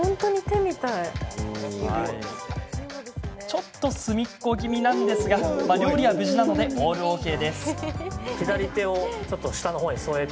ちょっと隅っこ気味ですが料理は無事なので、オールＯＫ。